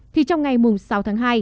thì trong ngày sáu tháng hai